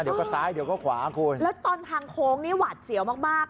เดี๋ยวก็ซ้ายเดี๋ยวก็ขวาคุณแล้วตอนทางโค้งนี่หวัดเสียวมากมาก